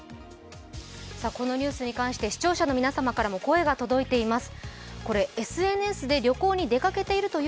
このニュース関して視聴者の皆様からも声が届いています。